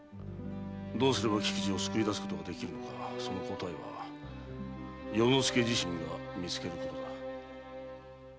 どうすれば菊路を救うことができるのかその答えは与の介自身が見つけることだ。